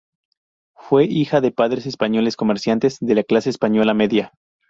Fue hija de padres españoles, comerciantes de clase española media.